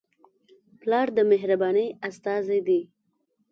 پلار د مهربانۍ استازی دی.